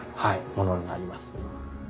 ものになります。